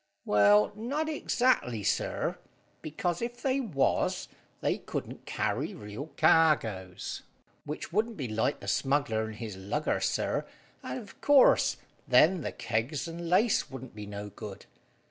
"Well, not exactly, sir, because if they was, they couldn't carry real cargoes, which wouldn't be like the smuggler and his lugger, sir, and, of course, then the kegs and lace wouldn't be no good.